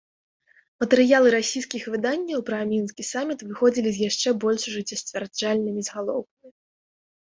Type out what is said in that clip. Матэрыялы расійскіх выданняў пра мінскі саміт выходзілі з яшчэ больш жыццесцвярджальнымі загалоўкамі.